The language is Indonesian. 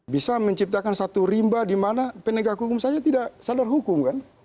bisa menciptakan satu rimba di mana penegak hukum saja tidak sadar hukum kan